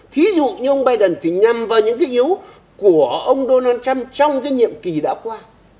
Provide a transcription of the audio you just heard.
thí dụ như ông biden thì nhằm vào những cái yếu của ông donald trump trong cái nhiệm kỳ đã qua